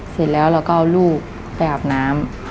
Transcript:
เสร็จแล้วเราก็เอาลูกไปอาบน้ำ